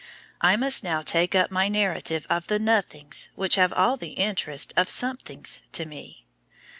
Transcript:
I must now take up my narrative of the nothings which have all the interest of SOMETHINGS to me.